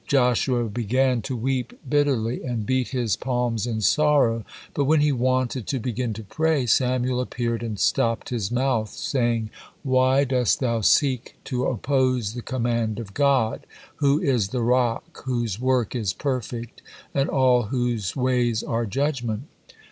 Joshua began to weep bitterly, and beat his palms in sorrow, but when he wanted to begin to pray, Samael appeared and stopped his mouth, saying, "Why dost thou seek to oppose the command of God, who is 'the Rock, whose work is perfect, and all whose ways are judgement?'"